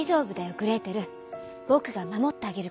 グレーテルぼくがまもってあげるからね。